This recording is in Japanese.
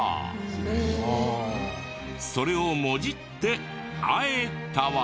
それをもじって「会えたわ」。